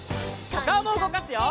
おかおもうごかすよ！